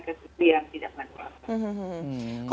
ke susu yang tidak manu lakos